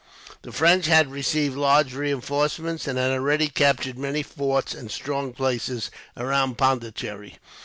The French had received large reinforcements, and had already captured many forts and strong places, around Pondicherry.